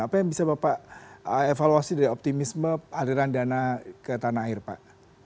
apa yang bisa bapak evaluasi dari optimisme aliran dana ke tanah air pak